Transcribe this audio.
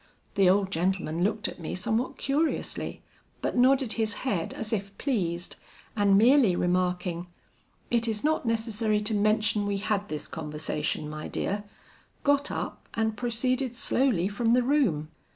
The old gentleman looked at me somewhat curiously, but nodded his head as if pleased, and merely remarking, 'It is not necessary to mention we had this conversation, my dear,' got up and proceeded slowly from the room.